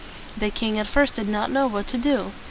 The king at first did not know what to do.